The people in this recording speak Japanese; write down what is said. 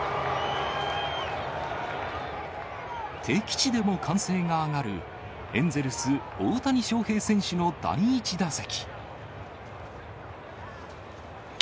敵地でも歓声が上がるエンゼルス、大谷翔平選手の第１打席。